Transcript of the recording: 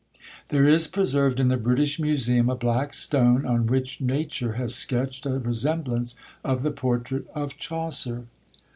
There is preserved in the British Museum a black stone, on which nature has sketched a resemblance of the portrait of Chaucer.